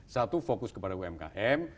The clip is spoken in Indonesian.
satu fokus kepada umkm